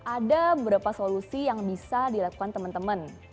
ada beberapa solusi yang bisa dilakukan temen temen